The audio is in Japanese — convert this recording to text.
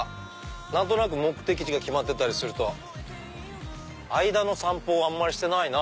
何となく目的地が決まってたりすると間の散歩をあんまりしてないな。